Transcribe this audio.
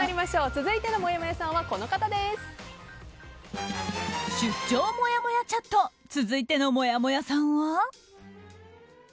続いてのもやもやさんは出張もやもやチャット続いてのもやもやさんは。